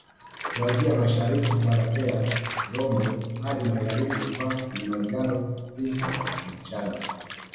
kuanzia mashariki Tarakea Rombo hadi magharibi kwa Kilimanjaro Siha Machame